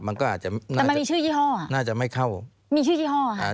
มันก็อาจจะแต่มันมีชื่อยี่ห้ออ่ะน่าจะไม่เข้ามีชื่อยี่ห้อค่ะอ่า